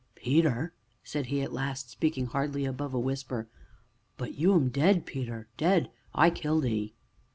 "Peter?" said he at last, speaking hardly above a whisper; "but you 'm dead, Peter, dead I killed 'ee."